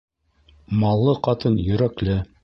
Маллы ҡатын йөрәкле.